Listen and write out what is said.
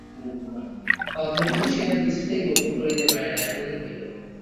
অধৈর্য সে আর কিছুতেই গোপন করিতে পারে না, এমনি হইল।